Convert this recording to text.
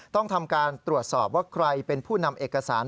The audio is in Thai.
ต้องทำการตรวจสอบว่าใครเป็นผู้นำเอกสาร